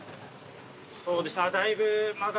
そうですね。